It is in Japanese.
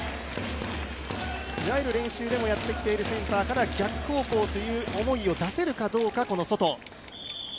練習でもやってきているセンターから逆方向という思いを出せるかどうか、ソト。